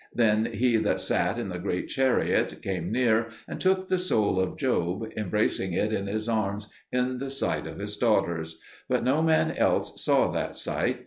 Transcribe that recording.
Then He that sat in the great chariot came near and took the soul of Job, embracing it in His arms in the sight of his daughters; but no man else saw that sight.